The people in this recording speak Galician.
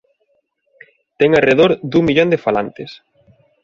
Ten arredor dun millón de falantes.